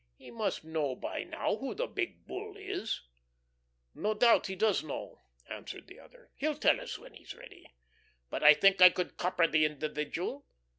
He must know by now who the Big Bull is." "No doubt he does know," answered the other. "He'll tell us when he's ready. But I think I could copper the individual.